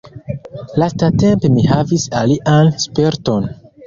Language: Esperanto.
Lastatempe mi havis alian sperton.